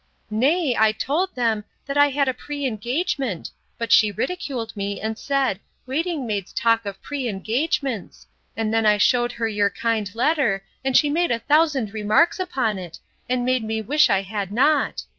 Nay, I told them, that I had a pre engagement; but she ridiculed me, and said, Waiting maids talk of pre engagements! And then I shewed her your kind letter; and she made a thousand remarks upon it, and made me wish I had not.